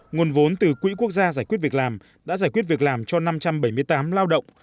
nguồn vốn từ quỹ quốc gia giải quyết việc làm đã giải quyết việc làm cho năm trăm bảy mươi tám lao động